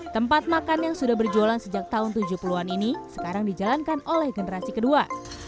tempat makan yang sudah berjualan sejak tahun tujuh puluh an ini sekarang dijalankan oleh generasi kedua